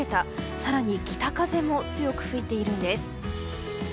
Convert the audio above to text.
更に北風も強く吹いているんです。